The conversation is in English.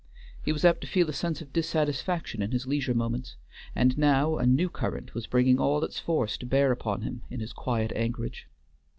He was apt to feel a sense of dissatisfaction in his leisure moments; and now a new current was bringing all its force to bear upon him in his quiet anchorage.